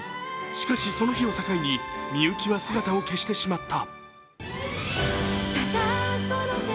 しかし、その日を境にみゆきは姿を消してしまった。